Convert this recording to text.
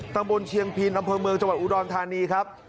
ตำบลเชียงพินอำเภอเมืองจังหวัดอุดรธานีครับ